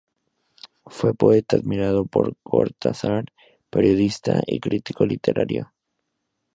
Fue poeta -admirado por Cortázar-, periodista y crítico literario.